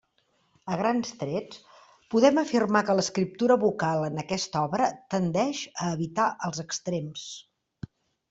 A grans trets, podem afirmar que l'escriptura vocal en aquesta obra tendeix a evitar els extrems.